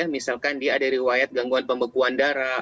misalkan dia ada riwayat gangguan pembekuan darah